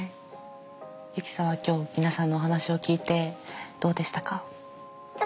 ユキさんは今日皆さんのお話を聞いてどうでしたか？